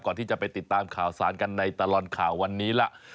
ก่อนที่จะไปติดตามข่าวสารกันในตลอดข่าววันนี้ล่ะ